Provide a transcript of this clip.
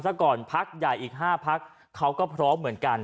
ซะก่อนพักใหญ่อีก๕พักเขาก็พร้อมเหมือนกัน